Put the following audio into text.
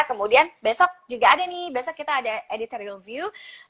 kemudian besok juga ada nih besok kita ada editorial view